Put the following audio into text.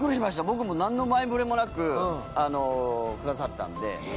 僕もなんの前触れもなくあのくださったんで。